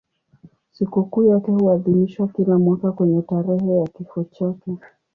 Sikukuu yake huadhimishwa kila mwaka kwenye tarehe ya kifo chake.